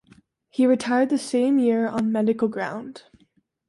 He retired that same year on medical ground.